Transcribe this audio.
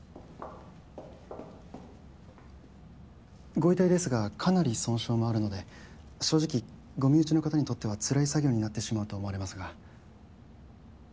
ご遺体ですがかなり損傷もあるので正直ご身内の方にとってはつらい作業になってしまうと思われますが。